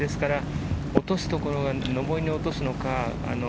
落とすところが、のぼりに落とすのか。